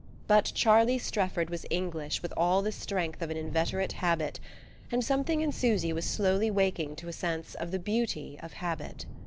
But Charlie Strefford was English with all the strength of an inveterate habit; and something in Susy was slowly waking to a sense of the beauty of habit.